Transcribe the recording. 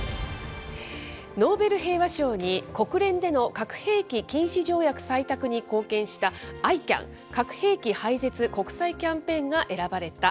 ノーベル平和賞に、国連での核兵器禁止条約採択に貢献したＩＣＡＮ・核兵器廃絶国際キャンペーンが選ばれた。